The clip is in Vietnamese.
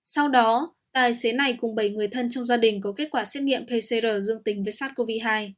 sau đó tài xế này cùng bảy người thân trong gia đình có kết quả xét nghiệm pcr dương tính với sars cov hai